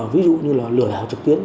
ví dụ như là lừa đảo trực tuyến